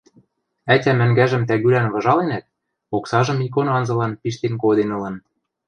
Ӓтям ӓнгӓжӹм тӓгӱлӓн выжаленӓт, оксажым икон анзылан пиштен коден ылын...